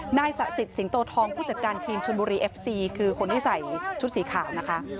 นายสะสิงโตทองผู้จัดการทีมชนบุรีเอฟซีคือคนที่ใส่ชุดสีขาวนะคะ